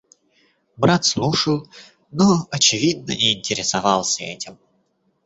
Брат слушал, но, очевидно, не интересовался этим.